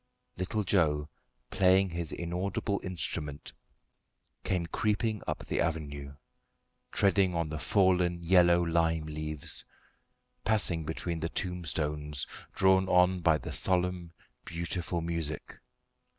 Little Joe, playing his inaudible instrument, came creeping up the avenue, treading on the fallen yellow lime leaves, passing between the tombstones, drawn on by the solemn, beautiful music.